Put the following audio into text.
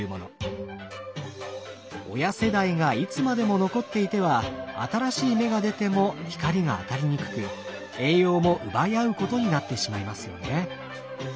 親世代がいつまでも残っていては新しい芽が出ても光が当たりにくく栄養も奪い合うことになってしまいますよね。